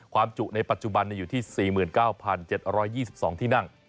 จุในปัจจุบันอยู่ที่๔๙๗๒๒ที่นั่ง